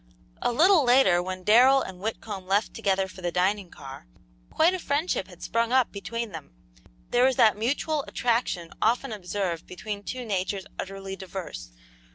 A little later, when Darrell and Whitcomb left together for the dining car, quite a friendship had sprung up between them. There was that mutual attraction often observed between two natures utterly diverse.